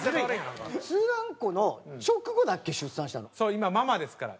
今ママですから。